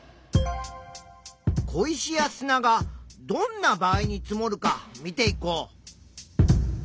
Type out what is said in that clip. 小石や砂がどんな場合に積もるか見ていこう。